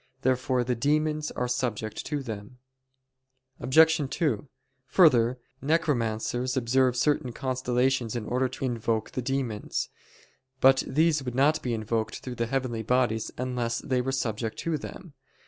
Therefore the demons are subject to them. Obj. 2: Further, necromancers observe certain constellations in order to invoke the demons. But these would not be invoked through the heavenly bodies unless they were subject to them.